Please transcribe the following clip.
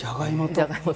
じゃがいも。